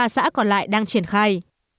ba xã còn lại đang triển khai